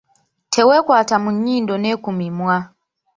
Teweekwata mu nnyindo ne ku mimwa.